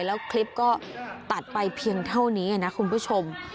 แล้วคลิปก็ตัดไปเพียงเท่านี้นะคุณผู้ชม